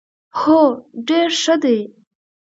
هو، ډیر ښه دي